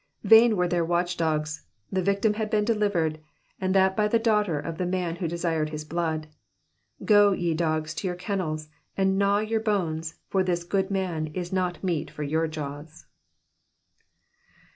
Vain were their watchings, the victim had been delivered, and that by the daughter of the man who desired^ his blood. Go, ye dogs, to your kennels and gnaw your bones, for this good man is not meat for your jaws.